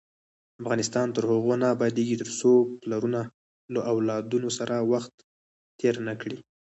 افغانستان تر هغو نه ابادیږي، ترڅو پلرونه له اولادونو سره وخت تیر نکړي.